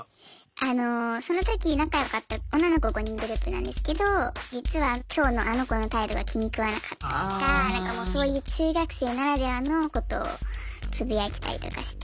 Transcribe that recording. あのその時仲良かった女の子５人グループなんですけど実は今日のあの子の態度が気に食わなかったとかなんかもうそういう中学生ならではのことをつぶやいてたりとかして。